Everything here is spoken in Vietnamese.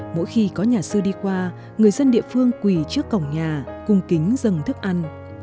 mỗi khi có nhà sư đi qua người dân địa phương quỳ trước cổng nhà cung kính dừng thức ăn